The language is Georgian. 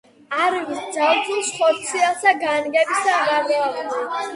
არვის ძალუც ხორციელსა განგებისა გარდავლენა